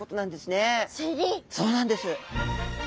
そうなんです。